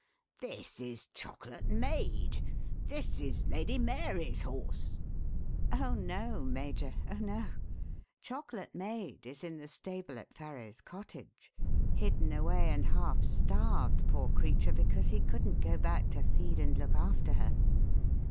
This is Chocolate Maid this is Lady Mary's horse." "Oh, no, Major, oh, no! Chocolate Maid is in the stable at Farrow's cottage hidden away and half starved, poor creature, because he couldn't go back to feed and look after her.